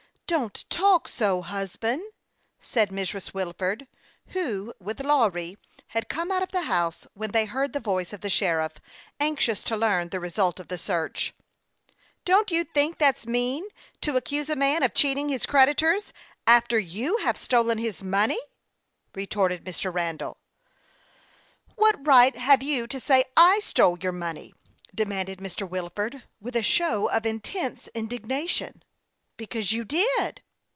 " Don't talk so, husband," said Mrs. Wilford, who, with Lawry, had come out of the house when they heard the voice of the sheriff, anxious to learn the result of the search. " Don't you think that's mean, to accuse a man of cheating his creditors, after you have stolen his money ?" retorted Mr. Randall. " What right have you to say I stole your money? " demanded Mr. Wilford, with a show of intense indig nation. " Because you did."